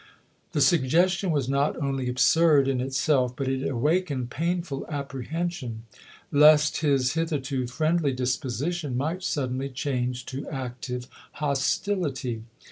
The suggestion was not only WASHINGTON IN DANGER 139 absurd in itself, but it awakened painful appre chap. vn. hension lest his hitherto friendly disposition might suddenly change to active hostility.